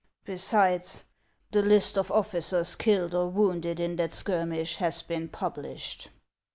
Besides, the list of officers killed or wounded in that skirmish has been published."